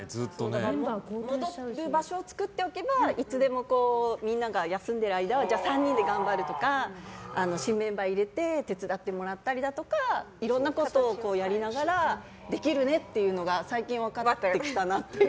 戻る場所を作っておけばいつでも休んでいる間はじゃあ３人で頑張るとか新メンバーを入れて手伝ってもらったりだとかいろんなことをやりながらできるねっていうのが最近分かってきたなっていう。